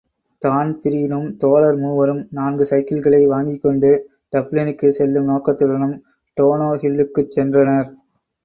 தான்பிரீனும் தோழர் மூவரும் நான்கு சைக்கில்களை வாங்கிக்கொண்டு, டப்ளினுக்குச் செல்லும் நோக்கத்துடன், டோனோஹில்லுக்குச் சென்றனர்.